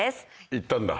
行ったんだ。